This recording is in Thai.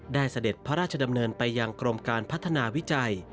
ได้สเจฏรพระราชดำเนินไปอย่างครมการพัฒนาวิจัย